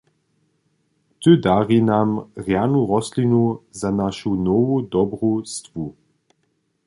Ty dari nam rjanu rostlinu za našu nowu dobru stwu.